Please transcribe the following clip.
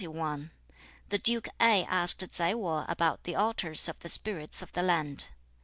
The Duke Ai asked Tsai Wo about the altars of the spirits of the land.